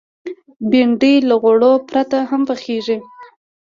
بېنډۍ له غوړو پرته هم پخېږي